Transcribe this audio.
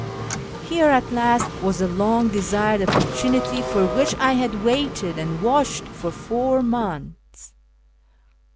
Here at last was the long desired opportunity for which I had waited and watched for four months.